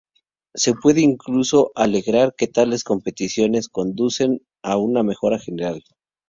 Se puede incluso alegar que tales competiciones conducen a una mejora general.